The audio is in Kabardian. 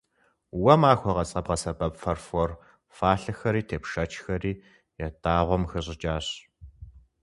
Уэ махуэ къэс къэбгъэсэбэп фарфор фалъэхэри тепшэчхэри ятӀагъуэм къыхэщӀыкӀащ.